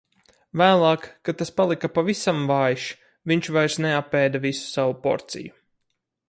Vēlāk, kad tas palika pavisam vājš, viņš vairs neapēda visu savu porciju.